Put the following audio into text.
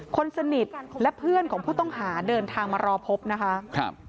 คนสนิทและเพื่อนของผู้ต้องหาเดินทางมารอพบนะคะครับ